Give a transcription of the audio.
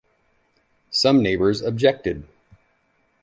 Some neighbors objected.